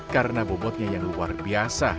karena bobotnya yang luar biasa